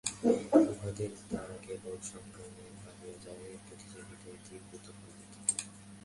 উহাদের দ্বারা কেবল সংগ্রামই বাড়িয়া যায়, প্রতিযোগিতাই তীব্রতর হইয়া থাকে।